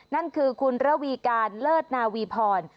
นั่นคือคุณระวีการเลิศนาวีพร